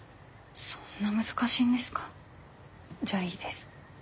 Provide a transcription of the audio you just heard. そんな難しいんですかじゃあいいです。